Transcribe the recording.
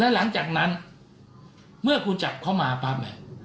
แล้วหลังจากนั้นเมื่อคุณจับเค้ามาครับ